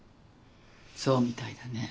そうみたいだね。